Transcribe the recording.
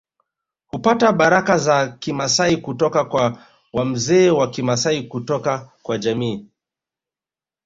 Hupata baraka za Kimasai kutoka kwa wamzee wa Kimasai kutoka kwa jamii